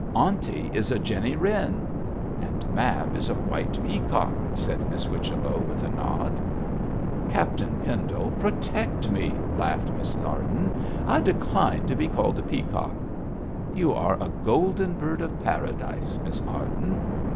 'Aunty is a Jenny Wren!' 'And Mab is a white peacock,' said Miss Whichello, with a nod. 'Captain Pendle, protect me,' laughed Miss Arden. 'I decline to be called a peacock.' 'You are a golden bird of paradise, Miss Arden.'